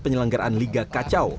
penyelenggaraan liga kacau